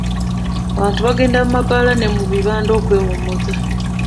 Abantu bagenda mu mabaala ne mu bibanda okwewummuza.